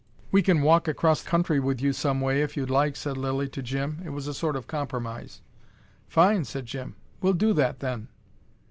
"We can walk across country with you some way if you like," said Lilly to Jim. It was a sort of compromise. "Fine!" said Jim. "We'll do that, then."